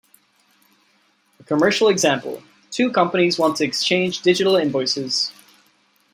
A commercial example: two companies want to exchange digital invoices.